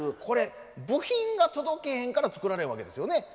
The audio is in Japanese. これ部品が届けへんから作られんわけですよね。